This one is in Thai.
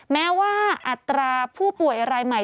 แม้ว่าอัตราผู้ป่วยรายใหม่